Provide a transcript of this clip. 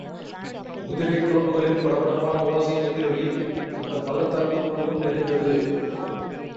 குதிரைக் குளம்புகளின் படபடப்பான ஓசையின் எதிரொலி அந்தப்பள்ளத்தாக்கு முழுவதும் நிறைந்தது.